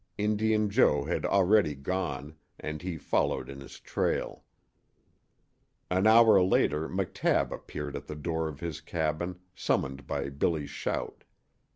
Indian Joe had already gone, and he followed in his trail. An hour later McTabb appeared at the door of his cabin, summoned by Billy's shout.